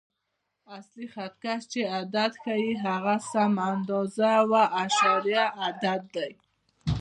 اصلي خط کش چې عدد ښیي، هغه سمه اندازه او اعشاریه عدد دی.